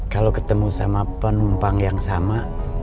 kalau ketemu sama penumpang yang sama